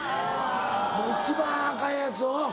もう一番アカンやつうん。